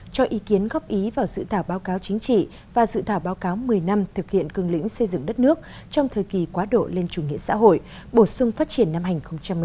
cho ý kiến góp ý vào dự thảo báo cáo chính trị và dự thảo báo cáo một mươi năm thực hiện cường lĩnh xây dựng đất nước trong thời kỳ quá độ lên chủ nghĩa xã hội bổ sung phát triển năm hai nghìn một mươi một